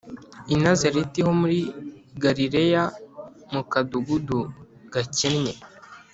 i nazareti ho mu galileya mu kadugudu gakennye